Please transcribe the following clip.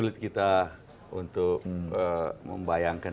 sulit kita untuk membayangkan